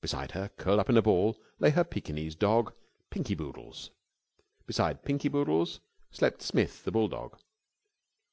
Beside her, curled up in a ball, lay her Pekinese dog, Pinky Boodles. Beside Pinky Boodles slept Smith, the bulldog.